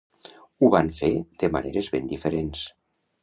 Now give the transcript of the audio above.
Ho van fer de maneres ben diferents.